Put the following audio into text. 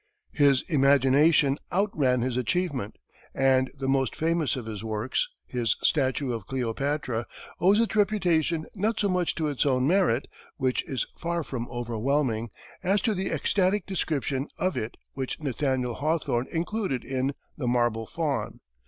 His imagination outran his achievement, and the most famous of his works, his statue of Cleopatra, owes its reputation not so much to its own merit, which is far from overwhelming, as to the ecstatic description of it which Nathaniel Hawthorne included in "The Marble Faun."